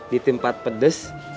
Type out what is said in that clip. di tempat pedas